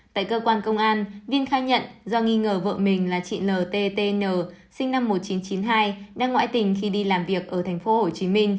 tại cơ quan công an vinh khai nhận do nghi ngờ vợ mình là chị ltn sinh năm một nghìn chín trăm chín mươi hai đang ngoại tình khi đi làm việc ở tp hcm